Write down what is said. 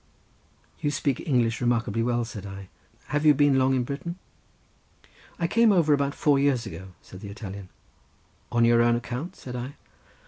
"You speak English remarkably well," said I; "have you been long in Britain?" "I came over about four years ago," said the Italian. "On your own account?" said I.